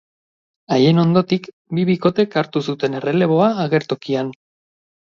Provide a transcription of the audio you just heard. Haien ondotik, bi bikotek hartu zuten erreleboa agertokian.